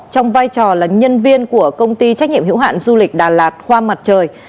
trong vai trò là nhân viên của công ty trách nhiệm hữu hạn du lịch đà lạt khoa mặt trời